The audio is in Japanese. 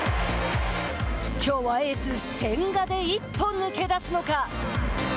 きょうはエース千賀で一歩抜け出すのか。